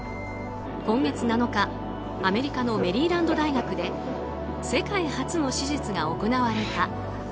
今月７日アメリカのメリーランド大学で世界初の手術が行われた。